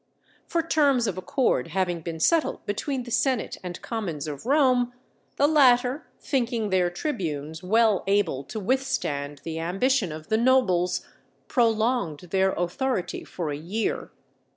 For terms of accord having been settled between the senate and commons of Rome, the latter, thinking their tribunes well able to withstand the ambition of the nobles, prolonged their authority for a year.